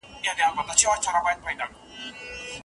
د کرکي او شخړي لاملونه څنګه له منځه ځي؟